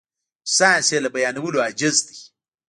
چې ساينس يې له بيانولو عاجز دی.